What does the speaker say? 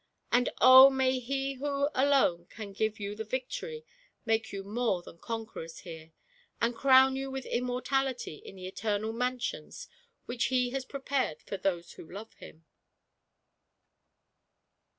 And oh, may He who alone can give you the victory make you more than conquerors here, and crown you with immortality in the eternal mansions which He has prepared for those who love Him